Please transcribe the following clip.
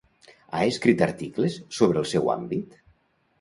Ha escrit articles sobre el seu àmbit?